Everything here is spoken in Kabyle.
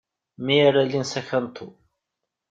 Mi ara alin s akantu.